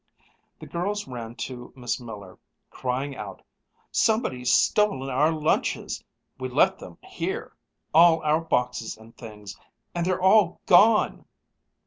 The girls ran to Miss Miller, crying out, "Somebody's stolen our lunches, we left them here all our boxes and things and they're all gone